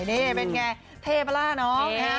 นี่เป็นไงเท่มากล่ะน้อง